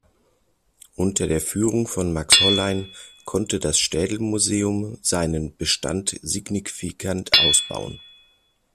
Unter der Führung von Max Hollein konnte das Städel Museum seinen Bestand signifikant ausbauen.